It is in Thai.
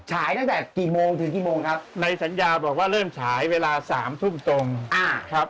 ฉายตั้งแต่กี่โมงถึงกี่โมงครับในสัญญาบอกว่าเริ่มฉายเวลาสามทุ่มตรงอ่าครับ